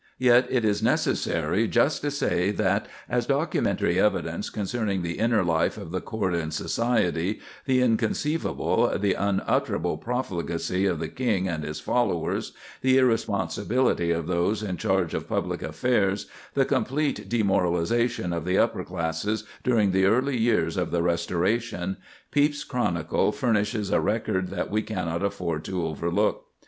Yet it is necessary just to say that, as documentary evidence concerning the inner life of the court and society, the inconceivable, the unutterable profligacy of the King and his followers, the irresponsibility of those in charge of public affairs, the complete demoralization of the upper classes during the early years of the Restoration, Pepys's chronicle furnishes a record that we cannot afford to overlook.